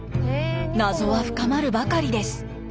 謎は深まるばかりです。